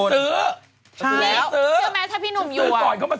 ซื้อมาถ้าพี่หนุ่มอยู่อ่ะ